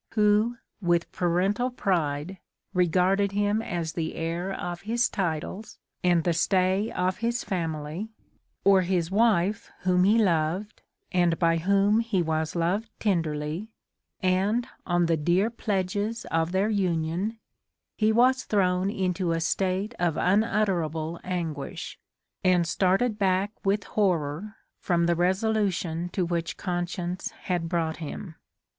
who, with parental pride, regarded him as the heir of his titles and the stay of his family, — or his wife whom he loved, and by whom he was loved tenderly, and on the dear pledges of their union, he was thrown into a state of unutterable anguish, and started back with horror from the resolution to which conscience had brought him.